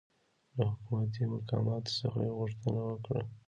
له حکومتي مقاماتو څخه یې غوښتنه وکړه